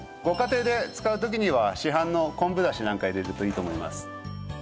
ご家庭で使う時には市販の昆布ダシなんか入れるといいと思います。